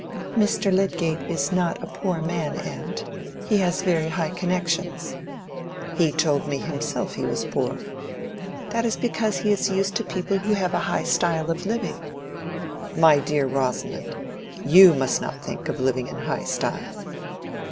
"Mr. Lydgate is not a poor man, aunt. He has very high connections." "He told me himself he was poor." "That is because he is used to people who have a high style of living." "My dear Rosamond, you must not think of living in high style."